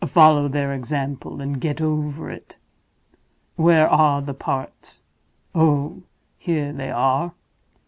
Follow their example, and get over it. Where are the parts? Oh, here they are!